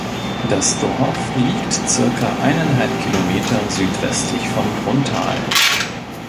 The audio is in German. Das Dorf liegt circa eineinhalb Kilometer südwestlich von Brunnthal.